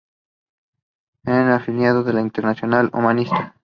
Esta afiliado a la Internacional Humanista.